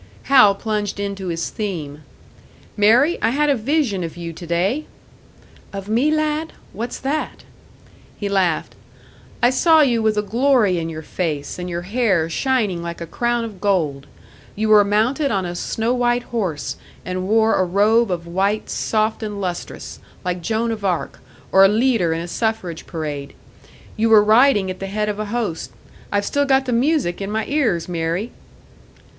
Hal plunged into his theme. "Mary, I had a vision of you to day!" "Of me, lad? What's that?" He laughed. "I saw you with a glory in your face, and your hair shining like a crown of gold. You were mounted on a snow white horse, and wore a robe of white, soft and lustrous like Joan of Arc, or a leader in a suffrage parade. You were riding at the head of a host I've still got the music in my ears, Mary!"